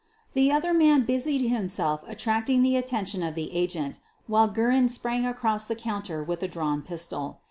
The other man busied himself attracting the attention of the agent while Guerin sprang across the counter with a drawn pistol.